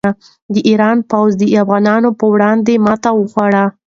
د ایران پوځ د افغانانو په وړاندې ماته وخوړه.